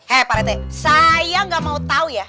hei pak rete saya gak mau tau ya